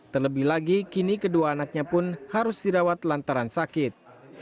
terlebih lagi kini kedua anaknya pun harus dirawat lantaran sakit